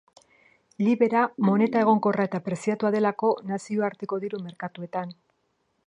Libera moneta egonkorra eta preziatua delako nazioarteko diru merkatuetan.